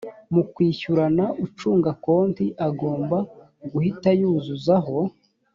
mu kwishyurana ucunga konti agomba guhita yuzuzaho